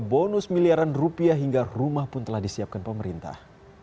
bonus miliaran rupiah hingga rumah pun telah disiapkan pemerintah